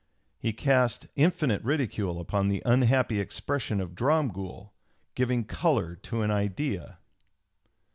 He cast infinite ridicule upon the unhappy expression of Dromgoole, "giving color to an idea."